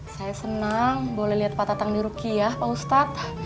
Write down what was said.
saya senang boleh lihat pak tatang di ruki ya pak ustadz